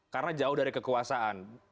karena jauh dari kekuasaan